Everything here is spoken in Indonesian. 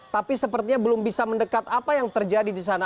tapi sepertinya belum bisa mendekat apa yang terjadi di sana